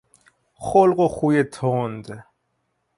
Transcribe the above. خلق و خوی تند